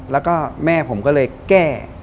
แล้วก็แม่ผมก็เลยแก้